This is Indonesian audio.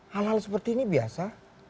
hal hal seperti ini biasa